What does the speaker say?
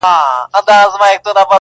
بل به څوك وي زما په شان داسي غښتلى،